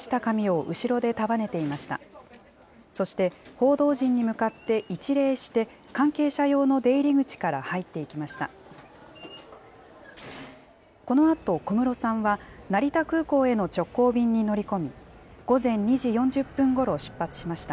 このあと小室さんは成田空港への直行便に乗り込み、午前２時４０分ごろ、出発しました。